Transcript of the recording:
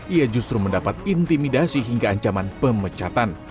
ia justru mendapat intimidasi hingga ancaman pemecatan